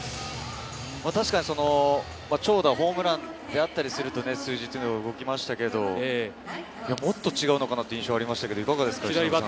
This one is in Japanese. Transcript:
確かに長打、ホームランになったりすると数字というのが動きましたけど、もっと違うのかなという印象がありましたけど。